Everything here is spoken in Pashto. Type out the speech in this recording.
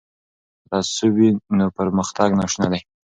که تعصب وي نو پرمختګ ناشونی دی.